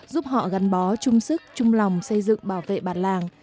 giúp họ gắn bó chung sức chung lòng xây dựng bảo vệ bản làng